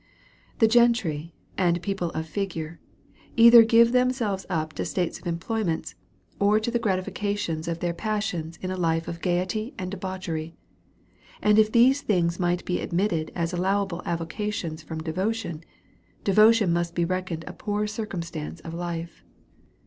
The gentry, and people of figure, either give them selves up to state employments, or to the gratifications of their passions in a life of gaiety and debauchery ; and if these things might be admitted as allowable avocations from devotion, devotion must be reckoned a poor circumstance of life.